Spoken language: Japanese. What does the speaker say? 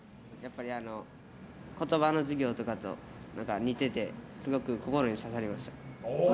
言葉の授業とかと何か似ていてすごく心に刺さりました。